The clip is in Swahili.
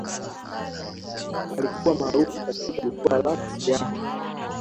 mandela alikuwa maarufu katika jukwaa la kisiasa